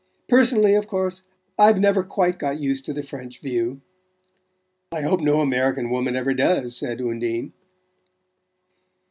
Personally, of course, I've never quite got used to the French view " "I hope no American woman ever does," said Undine.